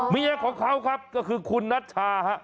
เมียของเขาครับก็คือคุณนัชชาฮะ